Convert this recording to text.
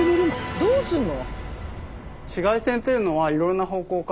どうすんの？